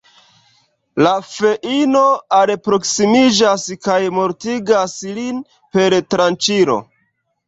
La feino alproksimiĝas, kaj mortigas lin per tranĉilo.